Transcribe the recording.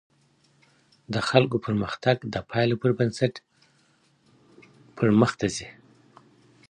د خلګو پرمختګ د پایلو پر بنسټ پرمخته ځي.